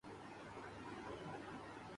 میں گواہی دیتا ہوں کہ اللہ گواہ ہے